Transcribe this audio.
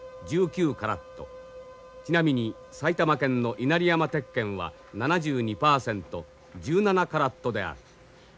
ちなみに埼玉県の稲荷山鉄剣は７２パーセント１７カラットである。